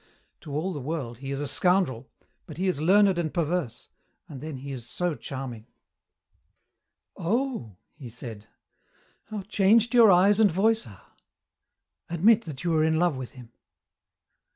To all the world he is a scoundrel, but he is learned and perverse, and then he is so charming." "Oh," he said, "how changed your eyes and voice are! Admit that you are in love with him."